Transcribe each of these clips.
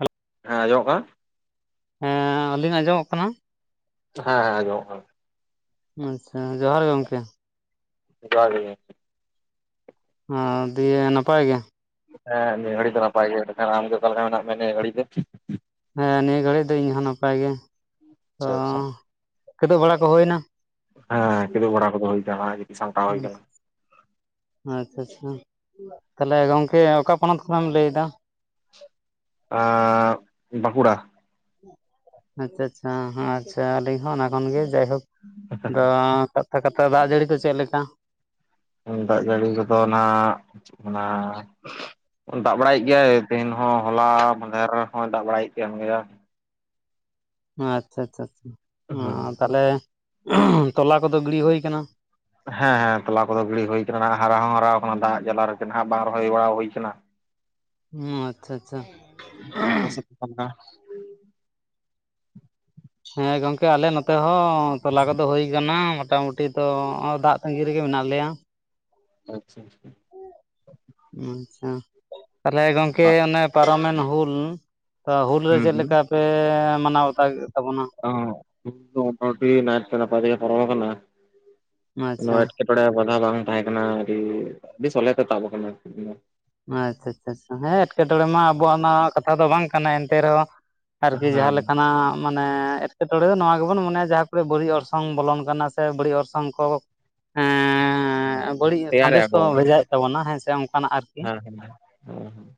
Hello ᱦᱮᱸ ᱟᱸᱡᱚᱢᱚᱜ ᱠᱟᱱᱟ᱾ ᱦᱮᱸ ᱟᱹᱞᱤᱧ ᱟᱜ ᱟᱸᱡᱚᱢᱚᱜ ᱠᱟᱱᱟ ᱦᱮᱸ ᱦᱮᱸ ᱟᱸᱡᱚᱢᱚᱜ ᱠᱟᱱᱟ ᱾ ᱟᱪᱪᱷᱟ ᱡᱚᱦᱟᱨ ᱜᱮ ᱜᱚᱝᱠᱮ ᱡᱚᱦᱟᱨ ᱜᱮ ᱜᱚᱝᱠᱮ ᱚᱸ ᱫᱤᱭᱮ ᱱᱟᱯᱟᱭ ᱜᱮ? ᱦᱮᱸ ᱱᱤᱭᱟᱹ ᱜᱷᱟᱹᱲᱤ ᱫᱚ ᱱᱟᱯᱟᱭ ᱜᱮ ᱾ ᱢᱮᱱᱠᱷᱟᱱ ᱟᱢ ᱜᱮ ᱚᱠᱟ ᱞᱮᱠᱟ ᱢᱮᱱᱟᱜ ᱢᱮ ᱱᱤᱭᱟᱹ ᱜᱷᱟᱹᱲᱤ ᱫᱚ? ᱦᱮᱸ ᱱᱤᱭᱟᱹ ᱜᱷᱟᱹᱲᱤᱡ ᱫᱚ ᱤᱧ ᱦᱚᱸ ᱱᱟᱯᱟᱭ ᱜᱮ ᱾ ᱛᱚ ᱟᱪᱪᱷᱟ ᱟᱪᱪᱷᱟ᱾ ᱠᱮᱫᱳᱜᱽ ᱵᱟᱲᱟ ᱠᱚ ᱦᱩᱭ ᱮᱱᱟ? ᱦᱮᱸ ᱠᱮᱫᱳᱜᱽ ᱵᱟᱲᱟ ᱠᱚᱫᱚ ᱦᱩᱭ ᱠᱟᱱᱟ ᱾ ᱟᱪᱪᱷᱟ ᱟᱪᱪᱷᱟ ᱛᱟᱦᱞᱮ ᱜᱚᱝᱠᱮ ᱚᱠᱟ ᱯᱚᱱᱚᱛ ᱠᱷᱚᱱᱮᱢ ᱞᱟᱹᱭᱮᱫᱟ ᱟᱻ ᱵᱟᱸᱠᱩᱲᱟ ᱟᱪᱪᱷᱟ ᱟᱪᱪᱷᱟ ᱟᱪᱪᱷᱟ ᱟᱹᱞᱤᱧ ᱦᱚᱸ ᱠᱷᱚᱱ ᱜᱮ ᱡᱟᱭᱦᱳᱠ ᱫᱚ ᱠᱟᱛᱷᱟ ᱠᱟᱛᱷᱟ ᱫᱟᱜ ᱡᱟᱹᱲᱤ ᱠᱚ ᱪᱮᱫ ᱞᱮᱠᱟ ᱫᱟᱜ ᱡᱟᱹᱲᱤ ᱠᱚᱫᱚ ᱱᱟᱜ ᱪᱮᱫ ᱠᱚ ᱢᱮᱱᱟ ᱫᱟᱜ ᱵᱟᱲᱟᱭᱮᱫ ᱜᱮᱭᱟᱭ, ᱛᱮᱦᱤᱧ ᱦᱚᱸ ᱦᱚᱞᱟ ᱢᱟᱦᱫᱮᱨ ᱨᱮᱦᱚᱭ ᱫᱟᱜ ᱵᱟᱲᱟᱭᱮᱫ ᱜᱮᱭᱟ᱾ ᱟᱪᱪᱷᱟ ᱟᱪᱪᱷᱟ ᱟᱪᱷᱟ ᱦᱩᱸ᱾ ᱛᱟᱦᱚᱞᱮ ᱛᱚᱞᱟ ᱠᱚᱫᱚ ᱜᱤᱲᱤ ᱵᱟᱲᱟ ᱦᱩᱭ ᱟᱠᱟᱱᱟ ᱦᱮᱸ ᱦᱮᱸ ᱛᱚᱞᱟ ᱠᱚᱫᱚ ᱜᱤᱲᱤ ᱦᱩᱭᱟᱱᱟ ᱦᱟᱨᱟ ᱦᱚᱸ ᱦᱟᱨᱟ ᱟᱠᱟᱱᱟ ᱫᱟᱜ ᱡᱟᱞᱟ ᱨᱮ ᱜᱮ ᱱᱟᱜ ᱵᱟᱝ ᱨᱚᱦᱚᱭ ᱵᱟᱲᱟ ᱦᱩᱭ ᱟᱠᱟᱱᱟ ᱦᱩᱸ ᱟᱪᱪᱷᱟ ᱟᱪᱪᱷᱟ [unintelligible] ᱦᱮᱸ ᱜᱚᱝᱠᱮ ᱟᱞᱮ ᱱᱚᱛᱮ ᱦᱚᱸ ᱛᱚᱞᱟ ᱠᱚᱫᱚ ᱦᱩᱭ ᱟᱠᱟᱱᱟ ᱢᱚᱴᱟᱢᱩᱴᱤ ᱱᱤᱛ ᱫᱚ ᱫᱟᱜ ᱛᱟᱺᱜᱤ ᱨᱮᱜᱮ ᱢᱮᱱᱟᱜ ᱞᱮᱭᱟ ᱟᱪᱪᱷᱟ ᱟᱪᱪᱷᱟ ᱟᱪᱪᱷᱟ ᱛᱟᱦᱞᱮ ᱜᱚᱝᱠᱮ ᱫᱟᱜ ᱚᱱᱮ ᱯᱟᱨᱚᱢᱮᱱ ᱦᱩᱞ ᱛᱚ ᱦᱩᱞ ᱨᱮ ᱦᱩᱸ ᱪᱮᱫ ᱦᱩᱸ ᱞᱮᱠᱟ ᱯᱮ ᱢᱟᱱᱟᱣ ᱵᱟᱛᱟᱣ ᱠᱮᱫ ᱛᱟᱵᱚᱱᱟ [unintelligible] ᱢᱚᱴᱟᱢᱚᱴᱤ ᱱᱟᱭ ᱛᱮ ᱱᱟᱯᱟᱭ ᱛᱮᱜᱮ ᱯᱟᱨᱚᱢ ᱟᱠᱟᱱᱟ ᱠᱤᱱᱳ ᱟᱪᱪᱷᱟ ᱮᱴᱠᱮ ᱴᱚᱸᱲᱮ ᱵᱟᱫᱷᱟ ᱵᱟᱝ ᱛᱟᱦᱮᱸ ᱠᱟᱱᱟ ᱟᱹᱰᱤ, ᱟᱹᱰᱤ ᱥᱚᱞᱦᱮ ᱛᱮ ᱛᱟᱵ ᱟᱠᱟᱱᱟ ᱛᱮᱦᱮᱧ ᱫᱚ ᱟᱪᱪᱷᱟ ᱟᱪᱪᱷᱟ ᱪᱷᱟ ᱦᱮᱸ ᱮᱴᱠᱮᱴᱚᱬᱮ ᱢᱟ ᱟᱵᱚᱣᱟᱜ ᱚᱱᱟ ᱠᱟᱛᱷᱟ ᱫᱚ ᱵᱟᱝ ᱠᱟᱱᱟ ᱮᱱᱛᱮ ᱨᱮᱦᱚᱸ ᱟᱨ ᱠᱤ ᱡᱟᱦᱟᱸ ᱦᱮᱸ ᱞᱮᱠᱟᱱᱟᱜ ᱢᱟᱱᱮ ᱮᱴᱠᱮᱴᱚᱬᱮ ᱫᱚ ᱱᱚᱣᱟ ᱜᱮᱵᱚᱱ ᱢᱚᱱᱮᱭᱟ ᱡᱟᱦᱟᱸ ᱠᱚᱨᱮ ᱵᱟᱹᱲᱤᱡ ᱚᱨᱥᱚᱝ ᱵᱚᱞᱚᱱ ᱠᱟᱱᱟ ᱥᱮ ᱵᱟᱹᱲᱤᱡ ᱚᱨᱥᱚᱝ ᱠᱚ ᱦᱮᱻ ᱵᱟᱹᱲᱤᱡ ᱥᱟᱸᱫᱮᱥ ᱠᱚ ᱵᱷᱮᱡᱟᱭᱮᱫ ᱛᱟᱵᱚᱱᱟ ᱦᱮᱸᱥᱮ ᱚᱱᱠᱟᱱᱟᱜ ᱟᱨᱠᱤ ᱦᱩᱸ ᱦᱩᱸ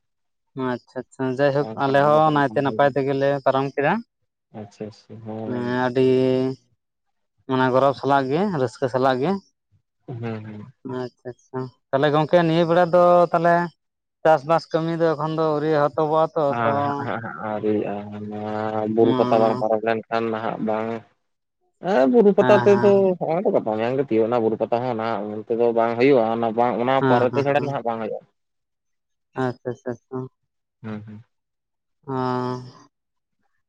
ᱟᱪᱪᱷᱟ ᱟᱪᱪᱷᱟ ᱡᱟᱭᱦᱳᱠ ᱟᱞᱮ ᱚᱱᱟ ᱦᱚᱸ ᱠᱚᱨᱮ ᱱᱟᱭᱛᱮ ᱵᱟᱝ ᱦᱩᱭ ᱱᱟᱯᱟᱭ ᱠᱟᱱᱟ᱾ ᱛᱮᱜᱮ ᱞᱮ ᱯᱟᱨᱚᱢ ᱠᱮᱫᱟ ᱟᱪᱪᱷᱟ ᱟᱪᱪᱷᱟ ᱦᱮᱸ ᱟᱹᱰᱤ ᱢᱟᱱᱮ ᱜᱚᱨᱚᱵᱽ ᱥᱟᱞᱟᱜ ᱜᱮ ᱨᱟᱹᱥᱠᱟᱹ ᱥᱟᱞᱟᱜ ᱜᱮ ᱦᱮᱸ ᱦᱮᱸ ᱟᱪᱪᱷᱟ ᱟᱪᱪᱷᱟ ᱛᱟᱦᱚᱞᱮ ᱜᱚᱝᱠᱮ ᱱᱤᱭᱟᱹ ᱵᱮᱲᱟ ᱫᱚ ᱛᱟᱦᱚᱞᱮ ᱪᱟᱥᱵᱟᱥ ᱠᱟᱹᱢᱤ ᱫᱚ ᱮᱠᱷᱚᱱ ᱫᱚ ᱟᱹᱣᱨᱤ ᱮᱦᱚᱵᱚᱜᱼᱟ ᱛᱚ ᱛᱚ ᱦᱚᱸ ᱟᱣᱨᱤ ᱟᱜ-ᱟ ᱚᱱᱟ ᱵᱩᱨᱩ ᱯᱟᱛᱟ ᱵᱟᱝ ᱦᱮᱸ ᱯᱟᱨᱚᱢ ᱞᱮᱱ ᱠᱷᱟᱱ ᱠᱷᱟᱱ ᱱᱟᱦᱟᱜ ᱵᱟᱝ ᱦᱮᱸ ᱵᱩᱨᱩ ᱯᱟᱛᱟ ᱛᱮ ᱫᱚ ᱦᱮᱸ ᱦᱚᱸᱜ-ᱚᱭ ᱛᱚ ᱜᱟᱯᱟ ᱢᱮᱭᱟᱝ ᱜᱮ ᱛᱤᱭᱳᱜ ᱮᱱᱟ ᱵᱩᱨᱩ ᱯᱟᱛᱟ ᱦᱚᱸ ᱱᱟᱦᱟᱜ ᱩᱱ ᱛᱮᱫᱚ ᱵᱟᱝ ᱦᱩᱭᱩᱜᱼᱟ ᱚᱱᱟ ᱵᱟᱝ ᱚᱱᱟ ᱦᱮᱸ ᱯᱚᱨᱮ ᱛᱮ ᱦᱮᱸ ᱪᱷᱟᱲᱟ ᱦᱮᱸ ᱱᱟᱦᱟᱜ ᱵᱟᱝ ᱦᱩᱭᱩᱜᱼᱟ ᱟᱪᱪᱷᱟ ᱟᱪᱪᱷᱟ ᱟᱪᱪᱷᱟ ᱦᱩᱸ ᱦᱩᱸ ᱦᱚᱸ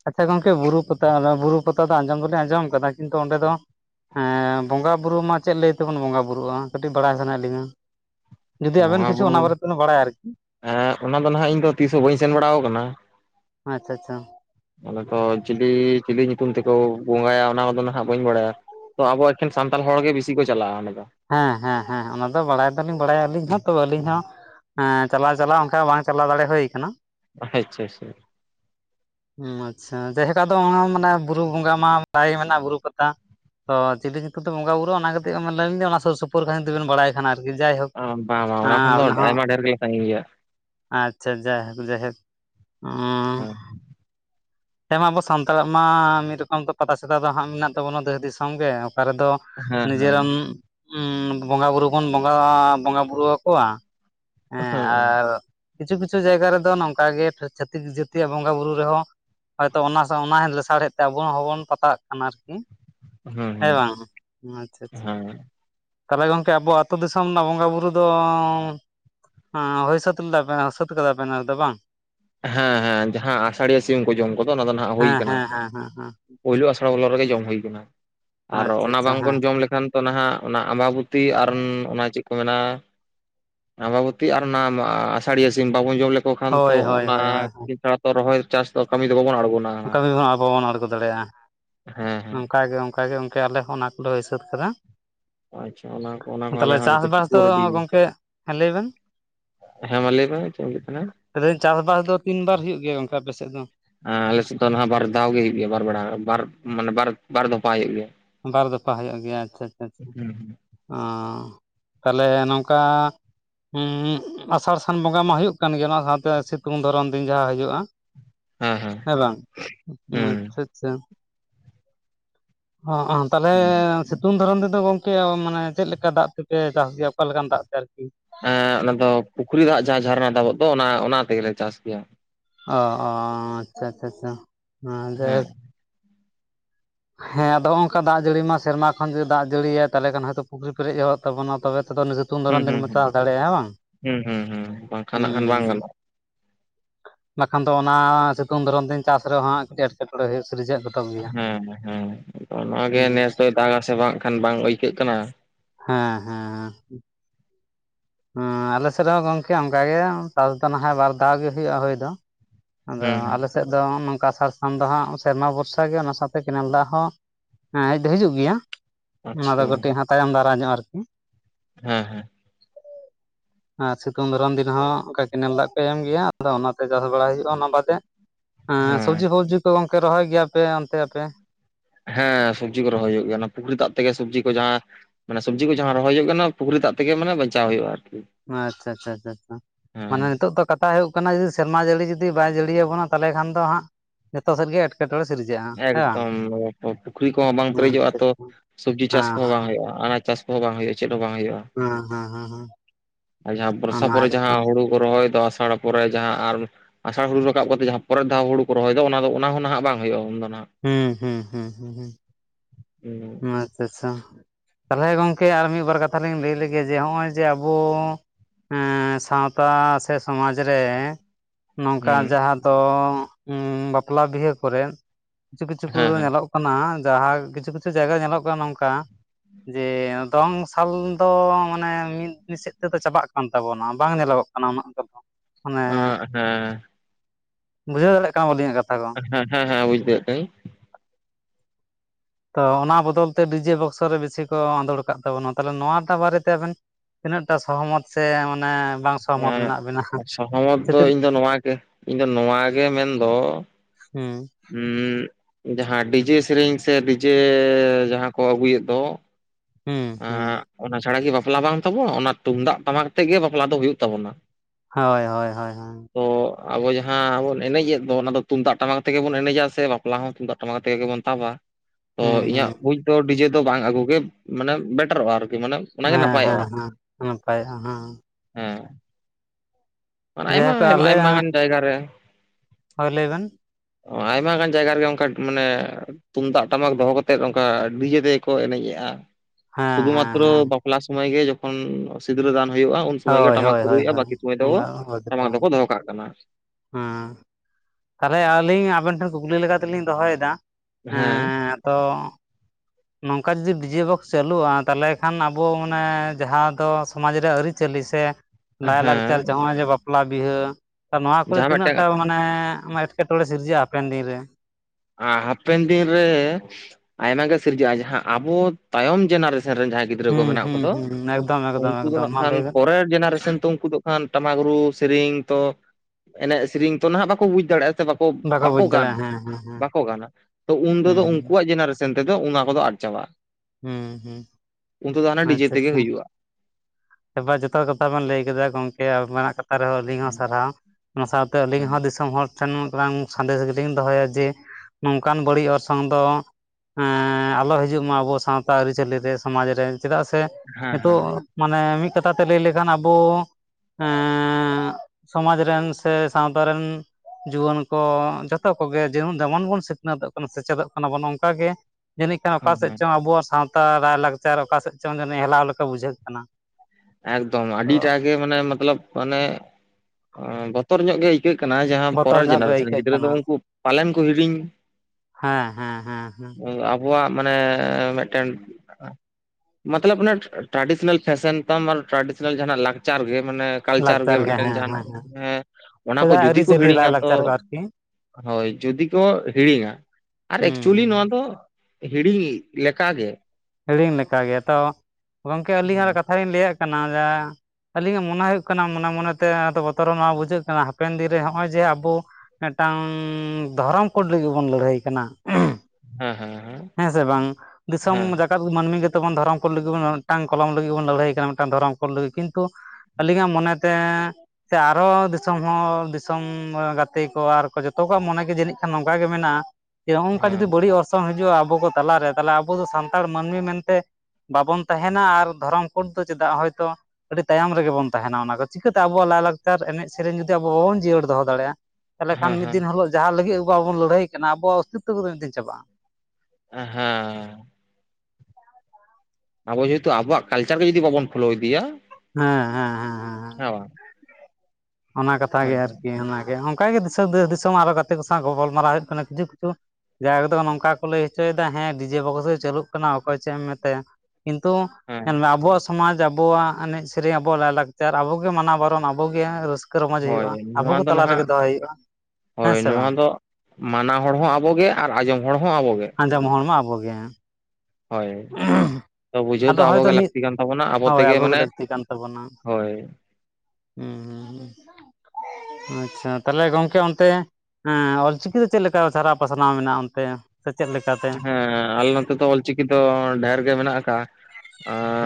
ᱟᱪᱪᱷᱟ ᱜᱚᱝᱠᱮ ᱵᱩᱨᱩ ᱯᱟᱛᱟ ᱵᱩᱨᱩ ᱯᱟᱛᱟ ᱫᱚ ᱟᱸᱡᱚᱢ ᱫᱚ ᱞᱤᱧ ᱟᱸᱡᱚᱢ ᱟᱠᱟᱫᱟ ᱠᱤᱱᱛᱩ ᱚᱸᱰᱮ ᱫᱚ ᱦᱮᱸ ᱵᱚᱸᱜᱟ ᱵᱩᱨᱩ ᱢᱟ ᱪᱮᱫ ᱞᱟᱹᱭ ᱛᱮ ᱵᱚᱱ ᱵᱚᱸᱜᱟ ᱵᱩᱨᱩᱜ-ᱟ ᱠᱟᱹᱴᱤᱡ ᱵᱟᱲᱟᱭ ᱥᱟᱱᱟᱭᱮᱫ ᱞᱤᱧᱟᱹ ᱡᱩᱫᱤ ᱟᱵᱤᱱ ᱠᱤᱪᱷᱩ ᱚᱱᱟ ᱵᱟᱨᱮ ᱛᱮ ᱵᱤᱱ ᱵᱟᱲᱟᱭᱟ ᱟᱨ ᱠᱤ ᱮᱜ ᱚᱱᱟ ᱫᱚ ᱱᱟᱦᱟᱜ ᱤᱧ ᱫᱚ ᱛᱤᱥ ᱦᱚᱸ ᱵᱟᱹᱧ ᱥᱮᱱ ᱵᱟᱲᱟ ᱟᱠᱟᱱᱟ ᱟᱪᱪᱷᱟ ᱟᱪᱪᱷᱟ ᱚᱱᱮ ᱛᱚ ᱪᱤᱞᱤ ᱪᱤᱞᱤ ᱧᱩᱛᱩᱢ ᱛᱮᱠᱚ ᱵᱚᱸᱜᱟᱭᱟ ᱚᱱᱟ ᱠᱚᱫᱚ ᱦᱟᱸᱜ ᱵᱟᱹᱧ ᱵᱟᱲᱟᱭᱟ ᱛᱚ ᱟᱵᱚ ᱮᱠᱷᱮᱱ ᱥᱟᱱᱛᱟᱲ ᱦᱚᱲ ᱜᱮ ᱵᱤᱥᱤ ᱠᱚ ᱪᱟᱞᱟᱜ-ᱟ ᱚᱱᱟ ᱫᱚ ᱦᱮᱸ ᱦᱮᱸ ᱦᱮᱸ ᱚᱱᱟ ᱫᱚ ᱵᱟᱲᱟᱭ ᱫᱚ ᱞᱤᱧ ᱵᱟᱲᱟᱭᱟ ᱟᱹᱞᱤᱧ ᱦᱚᱸ ᱛᱚᱵᱮ ᱟᱹᱞᱤᱧ ᱦᱚᱸ ᱦᱮᱸ ᱪᱟᱞᱟᱣ ᱪᱟᱞᱟᱣ ᱚᱱᱠᱟ ᱵᱟᱝ ᱪᱟᱞᱟᱣ ᱫᱟᱲᱮ ᱦᱩᱭ ᱟᱠᱟᱱᱟ ᱟᱪᱪᱷᱟ ᱟᱪᱪᱷᱟ ᱦᱮᱸ ᱟᱪᱪᱷᱟ ᱡᱟᱭᱦᱳᱠ ᱫᱚ ᱢᱟᱱᱮ ᱵᱩᱨᱩ ᱵᱚᱸᱜᱟ ᱢᱟ ᱵᱟᱭ ᱢᱮᱱᱚᱜ-ᱟ ᱵᱩᱨᱩ ᱯᱟᱛᱟ ᱛᱚ ᱪᱤᱫᱤ ᱧᱩᱛᱩᱢ ᱛᱮ ᱵᱚᱸᱜᱟ ᱵᱩᱨᱩᱩᱜ-ᱟ ᱚᱱᱟ ᱠᱟᱴᱤᱡ ᱵᱤᱱ ᱞᱟᱹᱭ ᱟᱞᱤᱧ ᱠᱷᱟᱱ ᱥᱩᱨ ᱥᱩᱯᱩᱨ ᱡᱩᱫᱤ ᱵᱤᱱ ᱵᱟᱲᱟᱭᱟ ᱟᱨ ᱠᱤ ᱡᱟᱭᱦᱳᱠ ᱵᱟᱝ ᱵᱟᱝ ᱟᱻ ᱚᱱᱟ ᱠᱷᱚᱱ ᱫᱚ ᱟᱵᱤᱱᱟᱜ ᱦᱚ ᱟᱭᱢᱟ ᱰᱷᱮᱨ ᱜᱮᱞᱮ ᱥᱟᱺᱜᱤᱧ ᱜᱮᱭᱟ ᱟᱪᱪᱷᱟ ᱡᱟᱭᱦᱳᱠ ᱦᱟᱭᱦᱳᱠ ᱦᱮᱸ ᱦᱮᱸ ᱢᱟ ᱟᱵᱚ ᱥᱟᱱᱛᱟᱲᱟᱜ ᱢᱟ ᱢᱤᱫ ᱨᱚᱠᱚᱢ ᱫᱚ ᱯᱟᱛᱟ ᱪᱛᱟ ᱫᱚ ᱦᱟᱸᱜ ᱢᱮᱱᱟᱜ ᱛᱟᱵᱚᱱᱟ ᱫᱮᱥ ᱫᱤᱥᱚᱢ ᱜᱮ ᱚᱠᱟᱨ ᱨᱮᱫᱚ ᱦᱮᱸ ᱱᱤᱡᱮᱨᱮᱱ ᱩ ᱵᱚᱸᱜᱟ ᱵᱩᱨᱩ ᱵᱚᱱ ᱵᱚᱸᱜᱟ ᱵᱚᱸᱜᱟ ᱵᱩᱨᱩ ᱟᱠᱚᱣᱟ᱾ ᱦᱮᱸ ᱟᱨ ᱠᱤᱪᱷᱩ ᱠᱤᱪᱷᱩ ᱡᱟᱭᱜᱟ ᱨᱮᱫᱚ ᱱᱚᱝᱠᱟ ᱜᱮ ᱪᱷᱷᱟᱛᱤᱠ ᱡᱟᱹᱛᱤᱭᱟᱜ ᱵᱚᱸᱜᱟ ᱵᱩᱨᱩ ᱨᱮᱦᱚᱸ ᱦᱚᱭᱛᱚ ᱚᱱᱟ ᱥᱟᱶ ᱚᱱᱟ ᱞᱮᱥᱟᱲᱦᱮᱫ ᱛᱮ ᱟᱵᱚ ᱦᱚᱸᱵᱚᱱ ᱯᱟᱛᱟᱜ ᱠᱟᱱᱟ ᱟᱨᱠᱤ ᱾ ᱦᱮ ᱦᱮᱸ᱾ ᱵᱟᱝ, ᱟᱪᱪᱷᱟ ᱟᱪᱪᱷᱟ᱾ ᱦᱮᱸ ᱛᱟᱦᱚᱞᱮ ᱜᱚᱝᱠᱮ ᱟᱵᱚ ᱟᱹᱛᱳ ᱫᱤᱥᱚᱢ ᱨᱮᱱᱟᱜ ᱵᱚᱸᱜᱟ ᱵᱩᱨᱩ ᱫᱚ ᱮ ᱦᱳᱭ ᱥᱟᱹᱛ ᱞᱮᱫᱟ ᱥᱟᱹᱛ ᱠᱟᱫᱟ ᱯᱮ ᱱᱮᱫᱚ ᱵᱟᱝ ᱦᱮᱸ ᱦᱮᱸ ᱡᱟᱦᱟᱸ ᱟᱥᱟᱲᱤᱭᱟᱹ ᱥᱤᱢ ᱠᱚ ᱡᱚᱢ ᱠᱚᱫᱟ ᱚᱱᱟ ᱫᱚ ᱱᱟᱜ ᱦᱩᱭ ᱦᱮᱸ ᱠᱟᱱᱟ᱾ ᱦᱮᱸ ᱦᱮᱸ ᱦᱮᱸ ᱦᱮᱸ ᱯᱳᱭᱞᱳ ᱟᱥᱟᱲᱟ ᱵᱚᱞᱚ ᱨᱮᱜᱮ ᱡᱚᱢ ᱦᱳᱭ ᱠᱟᱱᱟ ᱟᱨ ᱟᱪᱪᱷᱟ ᱚᱱᱟ ᱟᱪᱪᱷᱟ ᱦᱮᱸ ᱵᱟᱝᱵᱚᱱ ᱡᱚᱢ ᱞᱮᱠᱷᱟᱱ ᱛᱚ ᱱᱟᱦᱟᱜ ᱚᱱᱟ ᱟᱢᱵᱟᱵᱩ ᱟᱨ ᱚᱱᱟ ᱪᱮᱫ ᱠᱚ ᱢᱮᱱᱟ ᱟᱢᱵᱟᱵᱚᱹᱛᱤ ᱟᱨ ᱚᱱᱟ ᱟᱹᱥᱟᱹᱲᱤᱭᱟᱹ ᱥᱤᱢ ᱵᱟᱵᱚᱱ ᱡᱚᱢ ᱞᱮᱠᱚ ᱠᱷᱟᱱ ᱛᱚ ᱦᱳᱭ ᱦᱳᱭ ᱚᱱᱟ ᱦᱳᱭ ᱦᱳᱭ ᱪᱷᱟᱲᱟ ᱛᱚ ᱨᱚᱦᱚᱭ ᱪᱟᱥ ᱫᱚ ᱠᱟᱹᱢᱤ ᱫᱚ ᱵᱟᱵᱚᱱ ᱟᱬᱜᱚᱱᱟ ᱾ ᱠᱟᱹᱢᱤ ᱵᱚᱱ ᱟᱵᱚ ᱵᱚᱱ ᱟᱬᱜᱚ ᱫᱟᱲᱮᱭᱟᱜᱼᱟ ᱦᱮᱸ ᱦᱮᱸ᱾ ᱚᱝᱠᱟᱜᱮ ᱚᱝᱠᱟᱜᱮ ᱠᱮ ᱟᱞᱮ ᱦᱚᱸ ᱚᱱᱟ ᱠᱚᱞᱮ ᱦᱳᱭ ᱥᱟᱹᱛ ᱠᱟᱫᱟ᱾ ᱚ ᱟᱪᱪᱷᱟ ᱚᱱᱟ ᱠᱚ ᱚᱱᱟ ᱠᱚ ᱟᱞᱮ ᱛᱟᱦᱚᱞᱮ ᱦᱚᱸ ᱡᱚᱛᱚ ᱪᱟᱥᱵᱟᱥ ᱫᱚ ᱪᱷᱩᱴᱟᱹᱨ ᱤᱫᱤ ᱢᱮ ᱜᱚᱝᱠᱮ ᱦᱮᱸ ᱞᱟᱹᱭ ᱵᱮᱱ ᱦᱮᱸ ᱢᱟ ᱞᱟᱹᱭ ᱢᱮ, ᱪᱮᱜ ᱮᱢ ᱞᱮᱭᱮᱜ ᱛᱟᱦᱮᱱᱟ? [unintelligible] ᱪᱟᱥᱵᱟᱥ ᱫᱚ ᱛᱤᱱ ᱵᱟᱨ ᱦᱩᱭᱩᱜ ᱜᱮᱭᱟ ᱜᱚᱝᱠᱮ ᱟᱯᱮᱥᱮᱜ ᱫᱚ? ᱦᱮᱸ ᱟᱞᱮᱥᱮᱫ ᱫᱚ ᱱᱟᱜ ᱵᱟᱨ ᱫᱷᱟᱣ ᱜᱮ ᱦᱩᱭᱩᱜ ᱜᱮᱭᱟ ᱵᱟᱨ ᱵᱮᱲᱟ ᱵᱟᱨ ᱢᱟᱱᱮ ᱵᱟᱨ ᱵᱟᱨ ᱫᱷᱟᱯᱷᱟ ᱦᱩᱭᱩᱜ ᱜᱮᱭᱟ᱾ ᱵᱟᱨ ᱫᱚᱯᱷᱟ ᱦᱳᱭᱳᱜ ᱜᱮᱭᱟ ᱟᱪᱪᱷᱟ ᱟᱪᱪᱷᱟ ᱟᱪᱪᱷᱟ ᱦᱩᱸ ᱚ ᱛᱟᱦᱚᱞᱮ ᱱᱚᱝᱠᱟ ᱩᱸ ᱟᱥᱟᱲ ᱥᱟᱱ ᱵᱚᱸᱜᱟ ᱢᱟ ᱦᱳᱭᱳᱜ ᱠᱟᱱ ᱜᱮᱭᱟ ᱚᱱᱟ ᱥᱟᱶᱛᱮ ᱥᱤᱛᱩᱝ ᱫᱷᱚᱨᱚᱱ ᱫᱤᱱ ᱡᱟᱦᱟᱸ ᱦᱳᱭᱳᱜᱼᱟ᱾ ᱦᱮᱸ ᱦᱮᱸ ᱾ ᱦᱮᱸ ᱵᱟᱝ, ᱟᱪᱪᱷᱟ ᱟᱪᱪᱷᱟ ᱚ ᱚ ᱛᱟᱦᱚᱞᱮ ᱥᱤᱛᱩᱝ ᱫᱷᱚᱨᱚᱱ ᱨᱮᱫᱚ ᱜᱚᱝᱠ ᱠᱮ ᱢᱟᱱᱮ ᱪᱮᱫ ᱞᱮᱠᱟ ᱫᱟᱜ ᱛᱮᱯᱮ ᱪᱟᱥ ᱜᱮᱭᱟ ᱚᱠᱟᱞ ᱞᱮᱠᱟᱱ ᱫᱟᱜ ᱛᱮ ᱟᱨᱠᱤ? ᱮᱸ ᱚᱱᱟ ᱫᱚ ᱯᱩᱠᱷᱨᱤ ᱫᱟᱜ ᱡᱟᱦᱟᱸ ᱡᱷᱟᱨᱱᱟ ᱫᱟᱵᱚᱜ ᱫᱚ ᱚᱱᱟ ᱛᱮᱜᱮᱞᱮ ᱪᱟᱥ ᱜᱮᱭᱟ᱾ ᱚ ᱚ ᱟᱪᱪᱷᱟ ᱟᱪᱪᱷᱟ ᱟᱪᱪᱷᱟ ᱦᱮᱸ ᱡᱟᱭᱦᱳᱠ᱾ ᱦᱮᱸ ᱟᱫᱚ ᱦᱚᱜ-ᱚᱱᱚᱠᱟ ᱫᱟᱜ ᱡᱟᱹᱲᱤ ᱢᱟ ᱥᱮᱨᱢᱟ ᱠᱷᱚᱱ ᱡᱩᱫᱤ ᱫᱟᱜ ᱡᱟᱹᱲᱤᱭᱟᱭ ᱛᱟᱦᱚᱞ ᱠᱷᱟᱱ ᱦᱚᱭᱛᱳ ᱯᱩᱠᱷᱨᱤ ᱯᱮᱨᱮᱡᱚᱨᱚᱜ ᱛᱟᱵᱚᱱᱟ ᱛᱚᱵᱮ ᱛᱮ ᱫᱚ ᱱᱤ ᱛᱳᱝ ᱦᱩᱸ ᱫᱷᱚᱨᱚᱱ ᱫᱤᱱ ᱦᱩᱸ ᱵᱚᱱ ᱦᱩᱸ ᱪᱟᱥ ᱫᱟᱲᱮᱭᱟᱜᱼᱟ ᱵᱟᱝ? ᱦᱩᱸ ᱦᱩᱸ ᱦᱩᱸ ᱵᱟᱝᱠᱷᱟᱱ ᱱᱟᱜ ᱠᱷᱟᱱ ᱵᱟᱝ ᱦᱩᱸ᱾ ᱜᱟᱱᱚᱜᱼᱟ ᱵᱟᱠᱷᱟᱱ ᱫᱚ ᱚᱱᱟ ᱥᱤᱛᱳᱝ ᱫᱷᱚᱨᱚᱱ ᱫᱤᱱ ᱪᱟᱥ ᱨᱮᱦᱚᱸᱜ ᱠᱟᱹᱴᱤᱡ ᱮᱴᱠᱮᱴᱚᱬᱮ ᱦᱩᱭᱩᱜ ᱥᱤᱨᱡᱟᱹᱜ ᱜᱚᱫᱚᱜ ᱜᱮᱭᱟ ᱦᱮᱸ ᱦᱮᱸ ᱚᱱᱟ ᱜᱮ ᱦᱩᱸ ᱱᱮᱥ ᱫᱚᱭ ᱫᱟᱜᱟ ᱥᱮ ᱵᱟᱝ ᱟᱠᱷᱟᱱ ᱵᱟᱝ ᱟᱹᱭᱠᱟᱹᱜ ᱠᱟᱱᱟ᱾ ᱦᱮᱸ ᱦᱮᱸ ᱾ ᱦᱮᱸ ᱟᱞᱮᱥᱮᱫ ᱨᱮᱦᱚᱸ ᱜᱚᱝᱠᱮ ᱚᱱᱠᱟᱜ ᱜᱮ ᱪᱟᱥ ᱫᱚ ᱱᱟᱦᱟᱭ ᱵᱟᱨ ᱫᱷᱟᱣ ᱜᱮ ᱦᱳᱭᱳᱜᱼᱟ ᱦᱳᱭ ᱫᱚ᱾ ᱟᱫᱚ ᱦᱩᱸ ᱟᱞᱮ ᱥᱮᱫ ᱫᱚ ᱱᱚᱝᱠᱟ ᱟᱥᱟᱲ-ᱥᱟᱱ ᱫᱚ ᱦᱟᱸᱜ ᱥᱮᱨᱢᱟ ᱵᱷᱚᱨᱥᱟ ᱜᱮ ᱚᱱᱟ ᱥᱟᱶᱛᱮ ᱠᱮᱱᱮᱞ ᱫᱟᱜ ᱦᱚᱸ ᱦᱮᱸ ᱦᱮᱡ ᱫᱚ ᱦᱤᱡᱩᱜ ᱜᱮᱭᱟ ᱚᱱᱟ ᱫᱚ ᱟᱪᱪᱷᱟ ᱠᱟᱹᱴᱤᱡ ᱦᱟᱜ ᱛᱟᱭᱚᱢ ᱫᱟᱨᱟᱢ ᱧᱚᱜ ᱟᱨᱠᱤ᱾ ᱦᱮᱸ ᱦᱮᱸ ᱟᱨ ᱥᱤᱛᱩᱝ ᱫᱚᱨᱟᱢ ᱫᱤᱱ ᱦᱚᱸ ᱚᱱᱠᱟ ᱠᱮᱱᱮᱞ ᱫᱟᱜ ᱠᱚ ᱮᱢ ᱜᱮᱭᱟ ᱟᱫᱚ ᱚᱱᱟᱛᱮ ᱪᱟᱥ ᱵᱟᱲᱟ ᱦᱩᱭᱩᱜᱼᱟ ᱚᱱᱟ ᱵᱟᱫᱮ ᱦᱮᱸ ᱥᱚᱵᱽᱡᱤ ᱯᱷᱚᱯᱡᱤ ᱠᱚ ᱜᱚᱝᱠᱮ ᱨᱚᱦᱚᱭ ᱜᱮᱭᱟᱯᱮ ᱚᱱᱛᱮ ᱟᱯᱮ? ᱦᱮᱸ ᱥᱚᱵᱽᱡᱤ ᱠᱚ ᱨᱚᱦᱚᱭ ᱦᱳᱭᱳᱜ ᱜᱮᱭᱟ ᱚᱱᱟ ᱯᱩᱠᱷᱨᱤ ᱫᱟᱜ ᱛᱮᱜᱮ ᱥᱚᱵᱽᱡᱤ ᱠᱚ ᱡᱟᱦᱟᱸ ᱢᱟᱱᱮ ᱥᱚᱵᱽᱡᱤ ᱠᱚ ᱡᱟᱦᱟᱸ ᱨᱚᱦᱚᱭᱚᱜ ᱠᱟᱱᱟ ᱯᱩᱠᱷᱨᱤ ᱫᱟᱜ ᱛᱮᱜᱮ ᱢᱟᱱᱮ ᱵᱟᱧᱪᱟᱣ ᱦᱩᱭᱩᱜᱼᱟ ᱟᱨᱠᱤ᱾ ᱟᱪᱪᱷᱟ ᱟᱪᱪᱷᱟ ᱟᱪᱷᱟᱷᱟ ᱦᱮᱸ ᱢᱟᱱᱮ ᱱᱤᱛᱚᱜ ᱫᱚ ᱠᱟᱛᱷᱟ ᱦᱳᱭᱳᱜ ᱠᱟᱱᱟ ᱡᱩᱫ ᱥᱮᱨᱢᱟ ᱡᱟᱹᱲᱤ ᱡᱩᱫᱤ ᱵᱟᱭ ᱡᱟᱹᱲᱤ ᱟᱵᱚᱱᱟ ᱛᱟᱦᱚᱞᱮ ᱠᱷᱟᱱ ᱫᱚ ᱦᱟᱸᱜ ᱡᱚᱛᱚ ᱥᱮᱫ ᱜᱮ ᱮᱴ ᱮᱴᱠᱮᱚᱬᱮ ᱥᱤᱨᱡᱟᱹᱜᱼᱟ᱾ ᱦᱮᱸ ᱵᱟᱝ ᱮᱠᱫᱚᱢ ᱯᱩᱠᱷᱨᱤ ᱠᱚᱦᱚᱸ ᱵᱟᱝ ᱯᱮᱨᱮᱡᱚᱜᱼᱟ ᱟᱪᱪᱷᱟ ᱛᱚ ᱟᱪᱪᱷᱟ ᱥᱚᱵᱽᱡᱤ ᱪᱟᱥ ᱠᱚᱦᱚᱸ ᱵᱟᱝ ᱦᱩᱭᱩᱜᱼᱟ ᱟᱱᱟ ᱪᱟᱥ ᱠᱚ ᱵᱟᱝ ᱦᱳᱭᱳᱜᱼᱟ ᱪᱮᱫ ᱦᱚᱸ ᱵᱟᱝ ᱦᱳᱭᱳᱜᱼᱟ ᱦᱮᱸ ᱦᱮᱸ ᱦᱮᱸ ᱦᱮᱸ ᱦᱮᱸ ᱦᱮᱸ ᱟᱨ ᱡᱟᱦᱟᱸ ᱵᱚᱨᱥᱟ ᱚᱱᱟ ᱯᱚᱨᱮ ᱡᱟᱦᱟᱸ ᱜᱮᱛᱚ ᱦᱳᱲᱳ ᱨᱚᱦᱚᱭ ᱫᱚ ᱟᱥᱟᱲ ᱯᱚᱨᱮ ᱡᱟᱦᱟᱸ ᱟᱨ ᱟᱥᱟᱲ ᱦᱳᱲᱳ ᱨᱟᱠᱟᱵ ᱠᱟᱛᱮ ᱡᱟᱦᱟᱸ ᱯᱚᱨᱮᱨ ᱫᱷᱟᱣ ᱦᱠᱲᱳ ᱠᱚ ᱨᱚᱦᱚᱭᱮᱫ ᱚᱱᱟ ᱫᱚ ᱚᱱᱟ ᱦᱚᱸ ᱱᱟᱦᱟᱜ ᱵᱟᱝ ᱦᱳᱭᱳᱜᱼᱟ ᱩᱱ ᱫᱚ ᱱᱟᱦᱟᱜ ᱾ ᱦᱩᱸ ᱦᱩᱸ ᱦᱩᱸ ᱦᱩᱸ ᱦᱩᱸ, ᱟᱱᱟ [unintelligible] ᱛᱟᱦᱚᱞᱮ ᱜᱚᱝᱠᱮ ᱟᱨ ᱢᱤᱫ ᱵᱟᱨ ᱠᱟᱛᱷᱟ ᱞᱤᱧ ᱞᱟᱹᱭ ᱞᱮᱜᱮ ᱡᱮ ᱦᱚᱜᱼᱚᱭ ᱡᱮ ᱟᱵᱚ ᱮᱸ ᱥᱟᱶᱛᱟ ᱥᱮ ᱥᱚᱢᱟᱡᱽ ᱨᱮ ᱱᱚᱝᱠᱟ ᱦᱩᱸ ᱡᱟᱦᱟᱸ ᱫᱚ ᱵᱟᱯᱞᱟ ᱵᱤᱦᱟᱹ ᱠᱚᱨᱮᱫ, ᱠᱤᱪᱷᱩ ᱠᱤᱪᱷᱩ ᱠᱚ ᱦᱮᱸ ᱧᱮᱞᱚᱜ ᱠᱟᱱᱟ ᱡᱟᱦᱟᱸ ᱠᱤᱪᱷᱩ ᱠᱤᱪᱷᱩ ᱡᱟᱭᱜᱟ ᱧᱮᱞᱚᱜ ᱠᱟᱱᱟ ᱱᱚᱝᱠᱟ ᱡᱮ ᱫᱚᱝ ᱥᱟᱞ ᱫᱚ ᱢᱟᱱᱮ ᱢᱤᱫ ᱥᱮᱫ ᱛᱮᱫᱚ ᱪᱟᱵᱟᱜ ᱠᱟᱱ ᱛᱟᱵᱚᱱᱟ ᱵᱟᱝ ᱧᱮᱞᱚᱜᱚᱜ ᱠᱟᱱᱟ ᱥᱟᱱᱟᱢᱟᱜ ᱠᱟᱛᱷᱟ ᱟᱱᱮ ᱦᱮᱸ ᱵᱩᱡᱷᱟᱹᱣ ᱫᱟᱲᱮᱭᱟᱜ ᱠᱟᱱᱟ ᱟᱞᱤᱧᱟᱜ ᱠᱟᱛᱷᱟ ᱠᱚ ᱦᱮᱸ ᱦᱮᱸ ᱦᱮᱸ ᱵᱩᱡᱷ ᱫᱟᱨᱮᱭᱟᱜ ᱠᱟᱱᱤᱧ ᱛᱚ ᱚᱱᱟ ᱵᱚᱫᱚᱞ ᱛᱮ ᱰᱤᱡᱮ ᱵᱚᱠᱥᱚ ᱨᱮ ᱵᱮᱥᱤ ᱠᱚ ᱟᱸᱫᱳᱲ ᱠᱟᱜ ᱛᱟᱵᱚᱱᱟ ᱛᱟᱦᱚᱞᱮ ᱱᱚᱣᱟᱴ ᱵᱟᱨᱮᱛᱮ ᱟᱵᱮᱱ ᱛᱤᱱᱟᱹᱜ ᱴᱟ ᱥᱚᱦᱚᱢᱚᱛ ᱛᱮ ᱥᱮ ᱢᱟᱱᱮ ᱵᱟᱝ ᱥᱚᱦᱚᱢᱚᱛ ᱢᱮᱱᱟᱜ ᱵᱮᱱᱟ ᱮᱸ ᱥᱚᱦᱚᱢᱚᱛ ᱥᱮ ᱫᱚ ᱛᱤᱱᱟᱹᱜ ᱤᱧ ᱫᱚ ᱱᱚᱣᱟ ᱜᱮ ᱤᱧ ᱫᱚ ᱱᱚᱣᱟ ᱜᱮ ᱢᱮᱱᱫᱚ ᱦᱮᱸ ᱦᱩ ᱡᱟᱦᱟᱸ ᱰᱤᱡᱮ ᱥᱮᱨᱮᱧ ᱥᱮ ᱰᱤᱡᱮ ᱡᱟᱦᱟᱸ ᱠᱚ ᱟᱹᱜᱩᱭᱮᱫ ᱫᱚ ᱦᱮᱸ ᱦᱩᱸ ᱮᱸ ᱚᱱᱟ ᱪᱷᱟᱲᱟ ᱠᱤ ᱵᱟᱯᱞᱟ ᱵᱟᱝ ᱛᱟᱵᱚᱜᱼᱟ ᱚᱱᱟ ᱛᱩᱢᱫᱟᱜ ᱴᱟᱢᱟ ᱟᱛᱮᱜ ᱜᱮ ᱵᱟᱯᱞᱟ ᱫᱚ ᱦᱳᱭᱳᱜ ᱛᱟᱵᱚᱱᱟ᱾ ᱦᱳᱭ ᱦᱳᱭ ᱦᱳᱭ ᱛᱚ ᱟᱵᱚ ᱡᱟᱦᱟᱸ ᱵᱚᱱ ᱮᱱᱮᱡᱮᱫ ᱫᱚ ᱚᱱᱟ ᱫᱚ ᱛᱩᱢᱫᱟᱜ ᱴᱟᱢᱟᱠ ᱛᱮᱜᱮ ᱵᱚᱱ ᱮᱱᱮᱡᱟ ᱥᱮ ᱵᱟᱯᱞᱟ ᱦᱚᱸ ᱛᱩᱫᱟᱜ ᱴᱟᱢᱟ ᱴᱟᱢᱟᱠ ᱟᱛᱮᱜᱮ ᱜᱮᱵᱚᱱ ᱛᱟᱵᱟ ᱛᱚ ᱤᱧᱟᱹᱜ ᱦᱩᱸ ᱵᱩᱡᱽ ᱫᱚ ᱰᱤᱡᱮ ᱫᱚ ᱵᱟᱝ ᱟᱹᱜᱩ ᱜᱮ ᱢᱟᱱᱮ ᱵᱮᱴᱟᱨᱚᱜᱼᱟ ᱟᱨᱠᱤ ᱢᱟᱱᱮ ᱚᱱᱟᱜᱮ ᱦᱮᱸ ᱦᱮᱸ ᱱᱟᱯᱟᱭᱚᱜᱼᱟ ᱦᱮᱸ ᱱᱟᱯᱟᱭᱚᱜᱼᱟ ᱦᱮᱸ ᱦᱮᱸ ᱢᱟᱱᱮ ᱟᱭᱢᱟ ᱡᱟᱭᱦᱳᱠ ᱟᱭᱢᱟ ᱟᱞᱮ ᱟᱭᱢᱟ ᱦᱟᱸᱜ ᱜᱟᱱ ᱡᱟᱭᱜᱟ ᱨᱮ, ᱦᱳᱭ ᱞᱟᱹᱭᱵᱮᱱ ᱚ ᱟᱭᱢᱟ ᱜᱟᱱ ᱡᱟᱭᱜᱟ ᱨᱮᱜᱮ ᱚᱱᱠᱟ ᱢᱟᱱᱮ ᱛᱩᱢᱫᱟᱜ ᱴᱟᱢᱟᱠ ᱫᱚᱦᱚᱠᱟᱛᱮᱫ ᱚᱱᱠᱟ ᱰᱤᱡᱮ ᱛᱮᱜᱮᱠᱚ ᱮᱱᱮᱡ ᱮᱜᱼᱟ᱾ ᱦᱮᱸ ᱥᱩᱫᱷᱩ ᱦᱮᱸ ᱢᱟᱛᱨᱚ ᱦᱮᱸ ᱵᱟᱯᱞᱟ ᱥᱚᱢᱚᱭ ᱜᱮ ᱡᱚᱠᱷᱚᱱ ᱥᱤᱫᱽᱨᱟᱹ ᱫᱟᱱ ᱦᱩᱭᱩᱜᱼᱟ ᱩᱱ ᱥᱩᱢᱚᱭ ᱜᱮ ᱦᱳᱭ ᱴᱟᱢᱟᱠ ᱦᱳᱭ ᱨᱩᱭ ᱦᱳᱭ ᱨᱩᱭᱮᱫᱟ ᱦᱳᱭ, ᱵᱟᱠᱤ ᱥᱩᱢᱚᱭ ᱫᱚ ᱚᱱᱟ ᱦᱳᱭ ᱠᱟᱛᱮᱫ ᱴᱟᱢᱟᱠ ᱦᱚᱸ, ᱫᱚᱠᱚ ᱫᱚᱦᱚ ᱠᱟᱜ ᱠᱟᱱᱟ᱾ ᱦᱮᱸ ᱛᱟᱦᱚᱞᱮ ᱟᱹᱞᱤᱧ ᱟᱵᱮᱱ ᱴᱷᱮᱱ ᱠᱩᱠᱞᱤ ᱞᱮᱠᱟᱛᱮᱞᱤᱧ ᱫᱚᱦᱚᱭᱮᱫᱟ ᱦᱮᱸ ᱛᱚ ᱱᱚᱝᱠᱟ ᱡᱩᱫᱤ ᱰᱤᱡᱮ ᱵᱚᱠᱥ ᱪᱟᱹᱞᱩᱜᱼᱟ ᱛᱟᱦᱚᱞᱮ ᱠᱷᱟᱱ ᱟᱵᱚ ᱢᱟᱱᱮ ᱡᱟᱦᱟᱸ ᱫᱚ ᱥᱚᱢᱟᱡᱽ ᱨᱮᱭᱟᱜ ᱟᱹᱨᱤ, [unintelligible] ᱥᱮ ᱞᱟᱭᱼᱞᱟᱠᱪᱟᱨ ᱦᱮᱸ ᱱᱚᱜᱼᱚᱭ ᱡᱮ ᱵᱟᱯᱞᱟ ᱵᱤᱦᱟᱹ ᱱᱚᱣᱟ ᱠᱚᱨᱮ ᱡᱟᱦᱟᱸ ᱛᱤᱱᱟᱹᱜ ᱢᱤᱫᱴᱟᱝ ᱴᱟ ᱢᱮ ᱮᱸᱴᱠᱮᱴᱚᱬᱮ ᱥᱤᱨᱡᱟᱹᱜᱼᱟ ᱦᱟᱯᱮᱱ ᱫᱤᱱ ᱨᱮ ᱟ ᱦᱟᱯᱮᱱ ᱫᱤᱱ ᱨᱮ ᱟᱭᱢᱟ ᱜᱮ ᱥᱤᱨᱡᱟᱹᱜᱼᱟ᱾ ᱡᱟᱦᱟᱸ ᱟᱵᱚ ᱛᱟᱭᱚᱢ ᱡᱮᱱᱟᱨᱮᱥᱚᱱ ᱨᱮᱱ ᱡᱟᱦᱟᱸ ᱜᱤᱫᱽᱨᱟ ᱜᱤᱫᱽᱨᱟᱹ ᱠᱚ ᱦᱩᱸ ᱢᱮᱱᱟᱜ ᱦᱩᱸ ᱠᱚᱫᱚ ᱦᱩᱸ ᱮᱠᱫᱚᱢ ᱮᱠᱫᱚᱢ ᱩᱱᱠᱩ ᱫᱚ ᱮᱠᱫᱚᱢ ᱱᱟᱜ ᱢᱟ ᱠᱷᱟᱱ ᱞᱟᱹᱭ ᱵᱮᱱ ᱯᱚᱨᱮᱨ ᱡᱮᱱᱟᱨᱮᱥᱚᱱ ᱛᱚ ᱩᱱᱠᱩ ᱫᱚ ᱴᱟᱢᱟᱠ ᱨᱩ ᱥᱮᱨᱮᱧ ᱛᱚ ᱮᱱᱮᱡ ᱥᱮᱨᱮᱧ ᱛᱚ ᱱᱟᱦᱟᱜ ᱵᱟᱠᱚ ᱵᱩᱡ ᱫᱟᱲᱮᱭᱟᱜᱼᱟ ᱵᱟᱠᱚ ᱵᱟᱠᱚ ᱵᱩᱡᱽ ᱜᱟᱱᱟ ᱫᱟᱲᱮᱭᱟᱜᱼᱟ ᱦᱮᱸ ᱦᱮᱸ ᱦᱮᱸ ᱵᱟᱠᱚ ᱜᱟᱱᱟ ᱛᱚ ᱩᱱᱛᱮᱫᱚ ᱦᱩᱸ ᱩᱱᱠᱩᱣᱟᱜ ᱡᱮᱱᱟᱨᱮᱥᱚᱱ ᱛᱮᱫᱚ ᱚᱱᱟ ᱠᱚᱫᱚ ᱟᱫ ᱪᱟᱵᱟᱜᱼᱟ᱾ ᱦᱩᱸ ᱦᱩᱸ ᱩᱱ ᱛᱮᱫᱚ ᱰᱤᱡᱮ ᱟᱪᱪᱷᱟ ᱛᱮᱜᱮ ᱟᱪᱪᱷᱟ ᱦᱩᱭᱩᱜᱼᱟ ᱮᱵᱟᱨ ᱡᱚᱛᱚ ᱠᱟᱛᱷᱟ ᱵᱱ ᱞᱟᱹᱭ ᱠᱮᱫᱟ ᱜᱚᱝᱠᱮ ᱟᱵᱚ ᱱᱟᱜ ᱠᱟᱛᱷᱟ ᱨᱮᱦᱚᱸ ᱟᱹᱞᱤᱧ ᱦᱚᱸ ᱥᱟᱨᱦᱟᱣ ᱚᱱᱟ ᱥᱟᱶᱛᱮ ᱟᱹᱞᱤᱧ ᱦᱮᱸ ᱦᱚᱸ ᱫᱤᱥᱚᱢ ᱦᱚᱲ [unintelligible] ᱥᱟᱸᱫᱮᱥ ᱜᱮᱞᱤᱧ ᱫᱚᱦᱚᱭᱟ ᱡᱮ ᱱᱚᱝᱠᱟᱱ ᱵᱟᱹᱲᱤᱡ ᱚᱨᱥᱚᱝ ᱫᱚ ᱟᱞᱚ ᱦᱤᱡᱩᱜ ᱢᱟ ᱟᱵᱚ ᱥᱟᱶᱛᱟ ᱟᱹᱨᱤᱪᱟᱹᱞᱤ ᱨᱮ ᱥᱚᱢᱟᱡᱽ ᱨᱮ ᱪᱮᱫᱟᱜ ᱥᱮ ᱦᱮᱸ ᱱᱤᱛᱚᱜ ᱦᱮᱸ ᱢᱟᱱᱮ ᱢᱤᱫ ᱠᱟᱛᱷᱟ ᱛᱮ ᱞᱟᱹᱭ ᱞᱮᱠᱷᱟᱱ ᱟᱵᱚ ᱮᱻ ᱥᱚᱢᱟᱡᱽ ᱨᱮᱱ ᱥᱮ ᱥᱟᱶᱛᱟ ᱨᱮᱱ ᱡᱩᱣᱟᱹᱱ ᱠᱚ ᱡᱚᱛᱚ ᱠᱚᱜᱮ ᱡᱮᱢᱚᱱ ᱵᱚᱱ ᱥᱤᱠᱷᱱᱟᱹᱛᱚᱜ ᱠᱟᱱᱟ ᱥᱮᱪᱮᱫᱚᱜ ᱠᱟᱱᱟ ᱵᱚᱱ ᱚᱱᱠᱟᱜᱮ ᱡᱟᱹᱱᱤᱡ ᱠᱷᱟᱱ ᱦᱮᱸ ᱚᱠᱟᱥᱮᱫ ᱪᱚᱝ ᱟᱵᱚᱣᱟᱜ ᱥᱟᱶᱛᱟ ᱨᱟᱭᱞᱟᱠᱪᱟᱨ ᱚᱠᱟᱥᱮᱫ ᱪᱚᱝ ᱡᱟᱱᱤᱪ ᱦᱮᱞᱟᱣ ᱞᱮᱠᱟ ᱵᱩᱡᱷᱟᱹᱜ ᱠᱟᱱᱟ᱾ ᱮᱠᱫᱚᱢ ᱛᱚ ᱟᱹᱰᱤᱴᱟᱜ ᱜᱮ ᱢᱟᱱᱮ ᱢᱚᱛᱞᱚᱵ ᱢᱟᱱᱮ ᱵᱚᱛᱚᱨ ᱧᱚᱜ ᱜᱮ ᱴᱤᱠᱟᱹᱜ ᱠᱟᱱᱟ ᱡᱟᱦᱟᱸ ᱵᱚᱛᱚᱨ ᱯᱚᱨᱮᱨ ᱧᱚᱜ ᱜᱮ ᱡᱮᱱᱟᱨᱮᱥᱚᱱ ᱨᱮᱱ ᱟᱹᱭᱠᱟᱹᱜ ᱜᱤᱫᱽᱨᱟᱹ ᱫᱚ ᱠᱟᱱᱟ ᱩᱱᱠᱩ ᱯᱟᱞᱮᱱ ᱠᱚ ᱦᱤᱲᱤᱧ ᱦᱮᱸ ᱦᱮᱸ ᱦᱮᱸ ᱦᱮᱸ ᱤᱧᱟᱜ ᱢᱟᱱᱮ ᱢᱤᱫᱴᱮᱱ ᱢᱚᱛᱞᱚᱵ ᱴᱨᱟᱰᱤᱥᱮᱱᱟᱞ ᱯᱷᱮᱥᱮᱱ [unintelligible] ᱴᱨᱟᱰᱤᱥᱚᱱᱟᱞ ᱡᱟᱦᱟᱱᱟᱜ ᱞᱟᱠᱪᱟᱨ ᱜᱮ ᱢᱟᱱᱮ ᱠᱟᱞᱪᱟᱨ ᱜᱮ ᱞᱟᱠᱪᱟᱨ ᱢᱮᱫ ᱴᱟᱝ ᱦᱮᱸ ᱦᱮᱸ ᱡᱟᱦᱟᱱᱟᱜ ᱦᱮᱸ ᱚᱱᱟ ᱠᱚ ᱥᱮᱫᱟᱭ ᱡᱩᱫᱤ ᱠᱚ ᱟᱹᱨᱤᱪᱟᱹᱞᱤ ᱦᱤᱲᱤᱧᱟ ᱛᱚ ᱞᱟᱭᱼᱞᱟᱠᱪᱟᱨ ᱠᱚ ᱟᱨᱠᱤ ᱦᱳᱭ ᱡᱩᱫᱤ ᱠᱚ ᱦᱤᱲᱤᱧᱟ ᱟᱨ ᱮᱠᱪᱩᱭᱮᱞᱤ ᱱᱚᱣᱟ ᱦᱩᱸ ᱫᱚᱼᱼ ᱦᱤᱲᱤᱧ ᱞᱮᱠᱟ ᱜᱮ। ᱦᱤᱲᱤᱧ ᱞᱮᱠᱟᱜᱮ ᱛᱚ ᱜᱚᱝᱠᱮ ᱟᱹᱞᱤᱧ ᱦᱚᱸ ᱦᱮᱸ ᱠᱟᱛᱷᱟ ᱞᱤᱧ ᱞᱟᱹᱭᱟᱜ ᱠᱟᱱᱟ ᱡᱮᱼᱼ ᱟᱹᱞᱤᱧᱟᱜ ᱢᱚᱱᱮ ᱦᱩᱭᱩᱜ ᱠᱟᱱᱟ ᱢᱚᱱᱮ ᱢᱚᱱᱮᱛᱮ ᱟᱫᱚ ᱵᱚᱛᱚᱨ ᱦᱚᱸ ᱱᱚᱣᱟ ᱵᱩᱡᱷᱟᱹᱜ ᱠᱟᱱᱟ ᱦᱟᱯᱮᱱ ᱫᱤᱱ ᱨᱮ ᱦᱚᱜᱼᱚᱭ ᱡᱮ ᱟᱵᱚᱼᱼ ᱢᱤᱫᱴᱟᱝ ᱫᱷᱚᱨᱚᱢ ᱠᱳᱰ ᱞᱟᱹᱜᱤᱫ ᱵᱚᱱ ᱞᱟᱹᱲᱦᱟᱹᱭ ᱠᱟᱱᱟ। ᱦᱮᱸ ᱦᱮᱸ ᱦᱮᱸ ᱥᱮ ᱵᱟᱝ ᱫᱤᱥᱚᱢ ᱡᱟᱠᱟᱛ ᱢᱟᱹᱱᱢᱤ ᱜᱮᱛᱵᱚᱱ ᱫᱷᱚᱨᱚᱢ ᱠᱚᱴ ᱞᱟᱹᱜᱤᱫ ᱢᱤᱫᱴᱟᱝ ᱠᱚᱞᱚᱢ ᱞᱟᱹᱜᱤᱫ ᱵᱚᱱ ᱞᱟᱹᱲᱦᱟᱹᱭ ᱠᱟᱱᱟ ᱢᱤᱫᱴᱟᱝ ᱫᱷᱚᱨᱚᱢ ᱠᱚᱴ ᱞᱟᱹᱜᱤᱫ ᱠᱤᱱᱛᱩᱼᱼ ᱟᱹᱞᱤᱧᱟᱜ ᱢᱚᱱᱮᱛᱮᱼᱼ ᱥᱮ ᱟᱨᱦᱚ ᱫᱤᱥᱚᱢ ᱦᱚᱸ ᱫᱤᱥᱚᱢ ᱜᱟᱛᱮ ᱠᱚ ᱟᱨ ᱠᱚ ᱡᱚᱛᱚ ᱠᱚᱣᱟᱜ ᱢᱚᱱᱮ ᱜᱮ ᱡᱟᱹᱱᱤᱡ ᱠᱷᱟᱱ ᱱᱚᱝᱠᱟ ᱜᱮ ᱢᱮᱱᱟᱜᱼᱟ। ᱡᱮ ᱱᱚᱜᱼ ᱱᱚᱝᱠᱟ ᱦᱮᱸ ᱡᱩᱫᱤ ᱵᱟᱹᱲᱤᱡ ᱚᱨᱥᱚᱝ ᱦᱤᱡᱩᱜᱼᱟ ᱟᱵᱚ ᱠᱚ ᱛᱟᱞᱟᱨᱮ ᱛᱟᱦᱚᱞᱮ ᱟᱵᱚ ᱫᱚ ᱥᱟᱱᱛᱟᱲ ᱢᱟᱹᱱᱢᱤ ᱢᱮᱱᱛᱮ ᱵᱟᱵᱚᱱ ᱛᱟᱦᱮᱱᱟ ᱟᱨ ᱫᱷᱚᱨᱚᱢ ᱠᱳᱰ ᱫᱚ ᱪᱮᱫᱟᱜ ᱦᱚᱭᱛᱳ ᱟᱹᱰᱤ ᱛᱟᱭᱚᱢ ᱨᱮᱜᱮ ᱵᱚᱱ ᱛᱟᱦᱮᱱᱟ ᱚᱱᱟ ᱠᱚ ᱪᱤᱠᱟᱹᱛᱮ ᱟᱵᱚᱣᱟᱜ ᱞᱟᱭᱼᱞᱟᱠᱪᱟᱨ ᱮᱱᱮᱡ ᱥᱮᱨᱮᱧ ᱡᱩᱫᱤ ᱟᱵᱚ ᱵᱟᱵᱚᱱ ᱡᱤᱭᱟᱹᱲ ᱫᱚᱦᱚ ᱫᱟᱲᱮᱭᱟᱜᱼᱟ। ᱛᱟᱦᱚᱞᱮ ᱠᱷᱟᱱ ᱦᱮᱸ ᱢᱤᱫ ᱫᱤᱱ ᱦᱤᱞᱳᱜ ᱡᱟᱦᱟᱸ ᱞᱟᱹᱜᱤᱫ ᱟᱵᱚᱵᱚᱱ ᱞᱟᱹᱲᱦᱟᱹᱭ ᱠᱟᱱᱟ ᱟᱵᱚᱣᱟᱜ ᱚᱥᱛᱤᱛᱛᱚ ᱠᱚᱫᱚ ᱢᱤᱫ ᱫᱤᱱ ᱪᱟᱵᱟᱜᱼᱟ। ᱦᱮᱸ ᱡᱟᱦᱟᱸᱭ ᱴᱟᱜ [unintelligible] ᱟᱵᱚ ᱡᱮᱦᱮᱛᱩ ᱟᱵᱚᱣᱟᱜ ᱠᱟᱞᱪᱟᱨ ᱜᱮ ᱡᱩᱫᱤ ᱵᱟᱵᱚᱱ ᱯᱷᱚᱞᱳᱤ ᱫᱤᱭᱟᱼᱼ ᱦᱮᱸ ᱦᱮᱸ ᱦᱮᱸ। ᱦᱮᱸ ᱦᱳᱭ ᱚᱱᱟ ᱠᱟᱛᱷᱟ ᱜᱮ ᱦᱳᱭ ᱟᱨᱠᱤ ᱚᱱᱟᱜᱮ ᱚᱱᱠᱟᱜᱮ ᱫᱤᱥᱚᱢ ᱟᱨᱚ ᱜᱟᱛᱮ ᱠᱚ ᱥᱟᱶ ᱜᱯᱟᱞᱟᱨᱟᱣ ᱦᱩᱭᱩᱜ ᱠᱟᱱᱟ ᱠᱤᱪᱩ ᱠᱤᱪᱷᱩ। ᱡᱟᱭᱜᱟ ᱠᱚᱫᱚ ᱱᱚᱝᱠᱟ ᱠᱚ ᱞᱟᱹᱭ ᱦᱚᱪᱚᱭᱮᱫᱟ ᱦᱮᱸ ᱰᱤᱡᱮ ᱵᱚᱠᱥ ᱨᱮ ᱪᱟᱹᱞᱩᱜ ᱠᱟᱱᱟ ᱚᱠᱚᱭ ᱪᱮᱫ ᱮᱢ ᱢᱮᱛᱟᱭ। ᱠᱤᱱᱛᱩ ᱦᱮᱸ ᱧᱮᱞᱢᱮ ᱟᱵᱚᱣᱟᱜ ᱥᱚᱢᱟᱡᱽ ᱟᱵᱚᱣᱟᱜ ᱮᱱᱮᱡ ᱥᱮᱨᱮᱧ ᱟᱵᱚ ᱞᱟᱭᱼᱞᱟᱠᱪᱟᱨ ᱟᱵᱚ ᱜᱮ ᱢᱟᱱᱟᱣ ᱵᱟᱨᱚᱱ ᱟᱵᱚ ᱜᱮ ᱨᱟᱹᱥᱠᱟᱹᱼᱼ ᱨᱚᱢᱚᱡᱽ ᱦᱳᱭ ᱦᱩᱭᱩᱜᱼᱟ ᱱᱚᱣᱟ ᱫᱚ ᱱᱟᱦᱟᱜᱼᱼ ᱦᱮᱸ ᱦᱳᱭ ᱥᱮ ᱱᱚᱣᱟ ᱵᱟᱝ ᱫᱚ ᱢᱟᱱᱟᱣ ᱦᱚᱲ ᱦᱚᱸ ᱟᱵᱚᱜᱮ ᱟᱨ ᱟᱸᱡᱚᱢ ᱦᱚᱲ ᱦᱚᱸ ᱟᱵᱚᱜᱮ। ᱟᱡᱚᱢ ᱦᱚᱲᱢᱟ ᱟᱵᱚᱜᱮ। ᱦᱳᱭ ᱵᱩᱡᱷᱟᱹᱣ ᱫᱚ ᱟᱫᱚ ᱦᱚᱭᱛᱳ ᱟᱵᱚᱜᱮ ᱢᱤᱫ ᱞᱟᱹᱠᱛᱤ ᱠᱟᱱ ᱛᱟᱵᱚᱱᱟ ᱟᱵᱚ ᱦᱳᱭ ᱛᱮᱜᱮ ᱟᱵᱚᱜᱮ ᱢᱟᱱᱮ ᱞᱟᱹᱠᱛᱤ ᱠᱟᱱ ᱛᱟᱵᱚᱱᱟ ᱦᱳᱭ ᱦᱩᱸ ᱦᱩᱸ ᱦᱩᱸ [inaudible] ᱟᱪᱪᱷᱟ ᱛᱟᱦᱞᱮ ᱜᱚᱝᱠᱮ ᱚᱱᱛᱮ ᱦᱮᱸ ᱚᱞᱪᱤᱠᱤ ᱫᱚ ᱪᱮᱫ ᱞᱮᱠᱟ ᱪᱟᱨᱟ ᱯᱟᱥᱱᱟᱣ ᱢᱮᱱᱟᱜᱼᱟ ᱚᱱᱛᱮ ᱥᱮ ᱪᱮᱫ ᱞᱮᱠᱟ। ᱦᱮᱸ ᱟᱞᱮ ᱱᱚᱛᱮ ᱫᱚ ᱚᱞᱪᱤᱠᱤ ᱫᱚ ᱰᱷᱮᱨ ᱜᱮ ᱢᱮᱱᱟᱜ ᱠᱟᱜᱼᱟ।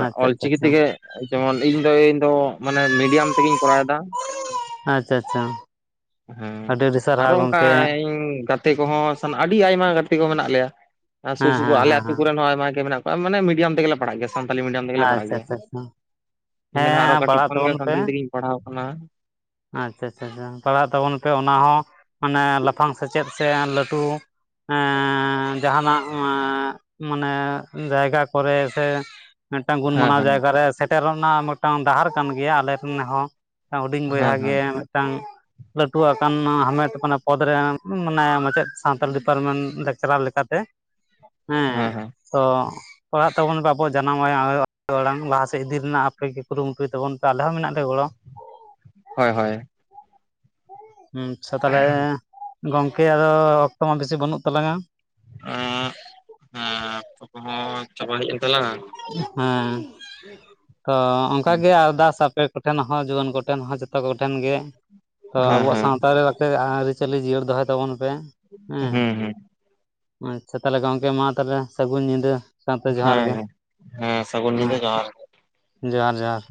ᱟᱪᱪᱷᱟ ᱟᱪᱪᱷᱟ ᱚᱞᱪᱤᱠᱤ ᱟᱪᱪᱷᱟ ᱛᱮᱜᱮ ᱡᱮᱢᱚᱱ ᱤᱧ ᱫᱚ ᱤᱧ ᱫᱚ ᱢᱟᱱᱮ ᱢᱤᱰᱤᱭᱟᱢ ᱛᱮᱜᱮᱧ ᱠᱚᱨᱟᱣᱮᱫᱟ। ᱟᱪᱪᱷᱟ ᱟᱪᱪᱷᱟ। ᱦᱮᱸ ᱟᱹᱰᱤ ᱟᱹᱰᱤ ᱟᱨᱚ ᱥᱟᱨᱦᱟᱣ ᱚᱱᱠᱟ ᱜᱚᱝᱠᱮ ᱤᱧ ᱜᱟᱛᱮᱼᱼ ᱜᱟᱛᱮ ᱠᱚᱦᱚᱸ ᱟᱹᱰᱤ ᱟᱭᱢᱟ ᱜᱟᱛᱮ ᱠᱚ ᱢᱮᱱᱟᱜ ᱞᱮᱭᱟ ᱥᱩᱨ ᱦᱮᱸ ᱥᱩᱯᱩᱨ ᱦᱮᱸ ᱟᱞᱮ ᱦᱮᱸ ᱟᱛᱩ ᱦᱮᱸ ᱠᱚᱨᱮᱱ ᱦᱚᱸ ᱟᱭᱢᱟ ᱜᱮ ᱢᱮᱱᱟᱜ ᱠᱚᱣᱟ। ᱵᱟᱝ ᱢᱟᱱᱮ ᱢᱤᱰᱤᱭᱟᱢ ᱛᱮᱜᱮᱞᱮ ᱯᱟᱲᱦᱟᱜ ᱜᱮᱭᱟ। ᱥᱟᱱᱛᱟᱞᱤ ᱢᱤᱰᱤᱭᱟᱢ ᱛᱮᱜᱮᱞᱮ ᱯᱟᱲᱦᱟᱜ ᱟᱪᱪᱷᱟ ᱜᱮᱭᱟ ᱟᱪᱪᱷᱟ ᱟᱪᱪᱷᱟ ᱤᱧ ᱫᱚ ᱱᱟᱦᱟᱜ ᱟᱨᱚ ᱦᱮᱸ ᱠᱟᱹᱴᱤᱡ ᱯᱟᱲᱦᱟᱜ ᱠᱷᱚᱱᱜᱮ ᱛᱟᱵᱚᱱ ᱯᱮ ᱥᱟᱱᱛᱟᱞᱤ ᱛᱮᱜᱮᱧ ᱯᱟᱲᱦᱟᱣ ᱟᱠᱟᱱᱟ। ᱟᱪᱪᱷᱟ ᱪᱪᱷᱟ ᱯᱟᱲᱦᱟᱜ ᱛᱟᱵᱚᱱ ᱯᱮ ᱚᱱᱟ ᱦᱚᱸ ᱢᱟᱱᱮ ᱞᱟᱯᱷᱟᱝ ᱥᱮᱪᱮᱫ ᱥᱮ ᱞᱟᱹᱴᱩᱼᱼ ᱦᱮᱸᱻ ᱡᱟᱦᱟᱱᱟᱜ ᱦᱮᱸᱻ ᱢᱟᱱᱮ ᱡᱟᱭᱜᱟ ᱠᱚᱨᱮ ᱥᱮ ᱢᱤᱫᱴᱟᱝ ᱜᱩᱱ ᱦᱮᱸ ᱢᱟᱱᱟᱣ ᱦᱮᱸ ᱡᱟᱭᱜᱟ ᱨᱮ ᱥᱮᱴᱮᱨᱚᱜ ᱨᱮᱱᱟᱜ ᱢᱤᱫᱴᱟᱝ ᱰᱟᱦᱟᱨ ᱠᱟᱱ ᱜᱮᱭᱟ ᱟᱞᱮᱨᱮᱱ ᱦᱚᱸ ᱦᱩᱰᱤᱧ ᱵᱚᱭᱦᱟ ᱦᱮᱸ ᱢᱤᱫᱴᱟᱝ ᱞᱟᱹᱴᱩ ᱟᱠᱟᱱ ᱦᱟᱢᱮᱴ ᱯᱚᱫᱽ ᱨᱮ ᱢᱟᱱᱮ ᱢᱟᱪᱮᱫ ᱥᱟᱱᱛᱟᱞ ᱰᱤᱯᱟᱨᱢᱮᱱᱴ ᱞᱮᱠᱪᱟᱨᱟᱨ ᱞᱮᱠᱟᱛᱮ। ᱦᱩᱸ ᱦᱮᱸ ᱦᱮᱸ ᱛᱚ ᱯᱟᱲᱦᱟᱜ ᱛᱟᱵᱚᱱ ᱯᱮ ᱟᱵᱚᱣᱟᱜ ᱡᱟᱱᱟᱢ ᱟᱲᱟᱝ ᱟᱭᱳ ᱟᱲᱟᱝ ᱞᱟᱦᱟᱥᱮᱫ ᱤᱫᱤ ᱨᱮᱱᱟᱜ ᱟᱯᱮᱜᱮ ᱠᱩᱨᱩᱢᱩᱴᱩᱭ ᱛᱟᱵᱚᱱ ᱯᱮ ᱟᱞᱮ ᱦᱚᱸ ᱢᱮᱱᱟᱜ ᱞᱮᱭᱟ ᱜᱚᱲᱚ। ᱦᱳᱭ ᱦᱳᱭ ᱟᱪᱪᱷᱟ ᱛᱟᱦᱚᱞᱮ ᱜᱚᱝᱠᱮ ᱟᱫᱚ ᱚᱠᱛᱚ ᱢᱟ ᱵᱮᱥᱤ ᱵᱟᱹᱱᱩᱜ ᱛᱟᱞᱟᱝᱼᱟ। ᱦᱮᱸ ᱚᱠᱛᱚ ᱠᱚᱦᱚᱸ ᱪᱟᱵᱟ ᱦᱮᱡ ᱮᱱ ᱛᱟᱞᱟᱝᱼᱟ। ᱦᱮᱸ ᱛᱚ ᱚᱱᱠᱟ ᱜᱮ ᱟᱨᱫᱟᱥ ᱟᱯᱮ ᱠᱚᱴᱷᱮᱱ ᱦᱚᱸ ᱡᱩᱣᱟᱹᱱ ᱠᱚᱴᱷᱮᱱ ᱦᱚᱸ ᱡᱚᱛᱚ ᱠᱚᱴᱷᱮᱱ ᱜᱮ ᱛᱚ ᱦᱮᱸ ᱟᱵᱚᱣᱟᱜ ᱦᱮᱸ ᱥᱟᱶᱛᱟ ᱨᱮ ᱟᱹᱨᱤᱪᱟᱹᱞᱤ ᱡᱤᱭᱟᱹᱲ ᱫᱚᱦᱚᱭ ᱛᱟᱵᱚᱱ ᱯᱮ ᱦᱮᱸ ᱦᱮᱸ ᱟᱪᱪᱷᱟ ᱛᱟᱦᱚᱞᱮ ᱜᱚᱝᱠᱮ ᱢᱟ ᱛᱟᱦᱚᱞᱮ ᱥᱟᱹᱜᱩᱱ ᱧᱤᱫᱟᱹ ᱥᱟᱶᱛᱮ ᱡᱚᱦᱟᱨ ᱦᱮᱸ ᱜᱮ ᱦᱮᱸ ᱥᱟᱹᱜᱩᱱ ᱧᱤᱫᱟᱹ ᱡᱚᱦᱟᱨ ᱡᱚᱦᱟᱨ ᱡᱚᱦᱟᱨ